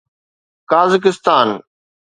Kazakhstan